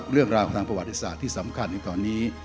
เรื่องราวทางประวัติศาสตร์ที่สำคัญในตอนนี้